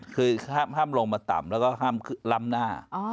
คือห้ามลงมาต่ำแล้วก็ห้ามล้ำหน้า